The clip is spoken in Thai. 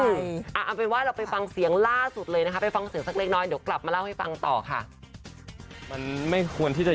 อยากให้มันดำเนินการหรือกระบวนการมาเป็นไปยังไงบ้าง